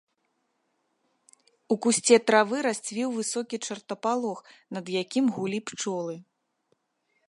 У кусце травы расцвіў высокі чартапалох, над якім гулі пчолы.